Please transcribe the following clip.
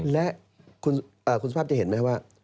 และคุณสุภาพจะเห็นไหมว่า